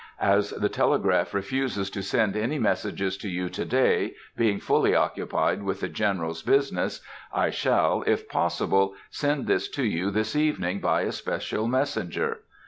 As the telegraph refuses to send any messages to you to day, being fully occupied with the General's business, I shall, if possible, send this to you this evening by a special messenger.